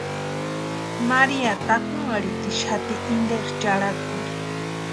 María takunharhitixati interi charhakuni.